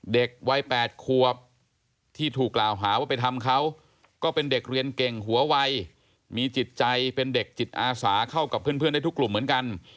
เด็กวัย๘ควบที่ถูกกล่าวหาว่าไปทำเขาก็เป็นเด็กเรียนเก่งหัววัยมีจิตใจเป็นเด็กจิตอาสาเข้ากับเพื่อนได้ทุกกลุ่มเหมือนกัน